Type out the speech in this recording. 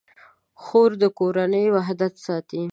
خور د کورنۍ وحدت ساتي.